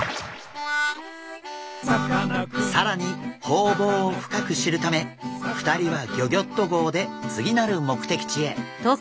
更にホウボウを深く知るため２人はギョギョッと号で次なる目的地へ。